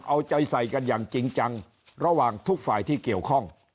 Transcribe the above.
เอาใจใส่กันอย่างจริงจังระหว่างทุกฝ่ายที่เกี่ยวข้อง